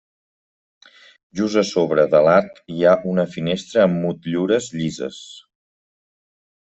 Just a sobre de l'arc hi ha una finestra amb motllures llises.